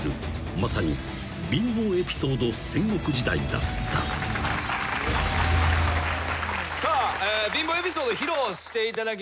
まさに貧乏エピソード戦国時代だった］さあ貧乏エピソード披露していただきました